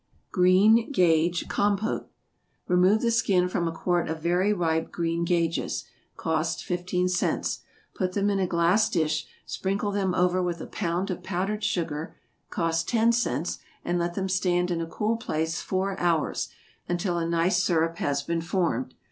=Green Gage Compôte.= Remove the skin from a quart of very ripe green gages, (cost fifteen cents,) put them in a glass dish, sprinkle them over with a pound of powdered sugar, (cost ten cents,) and let them stand in a cool place four hours, until a nice syrup has been formed.